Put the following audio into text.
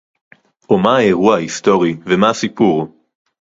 או מה האירוע ההיסטורי ומה הסיפור